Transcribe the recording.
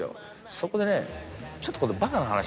そこでねちょっと。